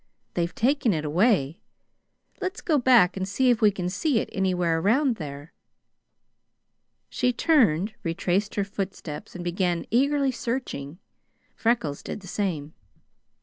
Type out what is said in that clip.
They've taken it away. Let's go back and see if we can see it anywhere around there." She turned, retraced her footsteps, and began eagerly searching. Freckles did the same.